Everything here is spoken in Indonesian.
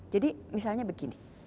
jadi misalnya begini